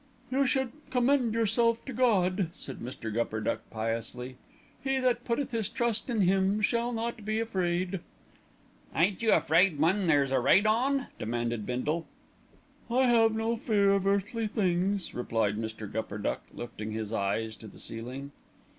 "You should commend yourself to God," said Mr. Gupperduck piously. "He that putteth his trust in Him shall not be afraid." "Ain't you afraid then when there's a raid on?" demanded Bindle. "I have no fear of earthly things," replied Mr. Gupperduck, lifting his eyes to the ceiling.